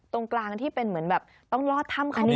ตรงกลางที่เป็นเหมือนแบบต้องลอดถ้ำขนาดนี้